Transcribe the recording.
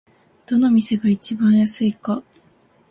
どの店が一番安いか